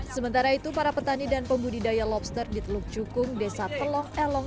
sementara itu para petani dan pembudidaya lobster di teluk cukung desa telong elong